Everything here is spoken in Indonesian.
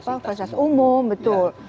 termasuk pihak pihak yang merusak proses umum